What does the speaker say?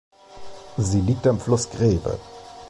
Sie liegt am Fluss Greve.